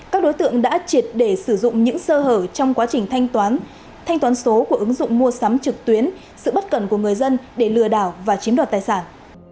các đối tượng đã triệt để sử dụng những sơ hở trong quá trình thanh toán số của ứng dụng mua sắm trực tuyến sự bất cẩn của người dân để lừa đảo và chiếm đoạt tài sản